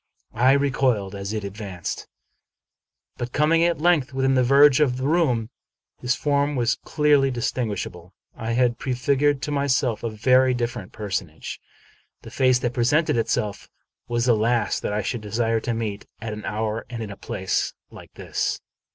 I recoiled as it advanced. By coming at length within the verge of the room, his form was clearly distinguishable. I had prefigured to my self a very different personage. The face that presented itself was the last that I should desire to meet at an hour and in a place Hke this.